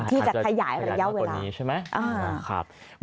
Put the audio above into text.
ที่จะขยายขยายมากกว่านี้ใช่ไหมอ่าครับ